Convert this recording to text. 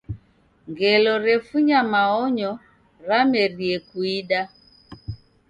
Ngelo refunya maonyo ramerie kuida.